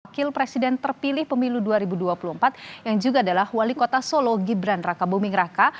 kil presiden terpilih pemilu dua ribu dua puluh empat yang juga adalah wali kota solo gibran raka buming raka